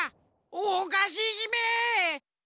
おかしひめ！